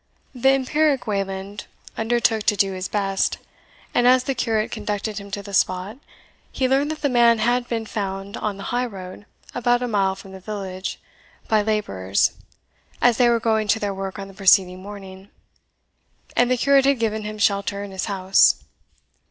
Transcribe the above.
The empiric Wayland undertook to do his best, and as the curate conducted him to the spot, he learned that the man had been found on the highroad, about a mile from the village, by labourers, as they were going to their work on the preceding morning, and the curate had given him shelter in his house.